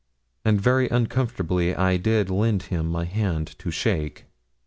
And very uncomfortably I did lend him my hand to shake.